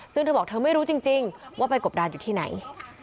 ซึ่งเธอบอกเธอไม่รู้จริงว่าไปกบดานอยู่ที่ไหน